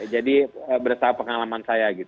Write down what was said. jadi berdasarkan pengalaman saya